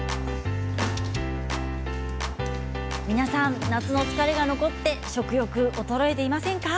皆さん、夏の疲れが残って食欲が衰えていませんか？